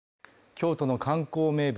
京都の観光名物